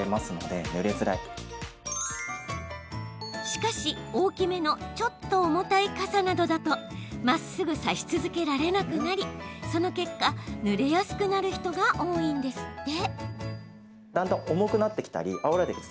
しかし、大きめのちょっと重たい傘などだとまっすぐ差し続けられなくなりその結果、ぬれやすくなる人が多いんですって。